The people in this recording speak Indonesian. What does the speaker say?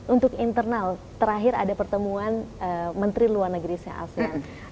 untuk internal terakhir ada pertemuan menteri luar negeri sea asean